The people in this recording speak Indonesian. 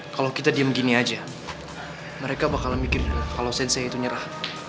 kalau kita diam gini aja mereka bakal mikir kalau sensei itu nyerah